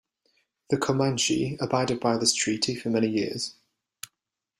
The Comanche abided by this treaty for many years.